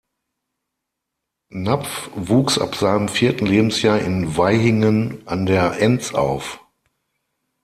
Napf wuchs ab seinem vierten Lebensjahr in Vaihingen an der Enz auf.